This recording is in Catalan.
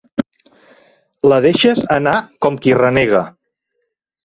La deixes anar com qui renega.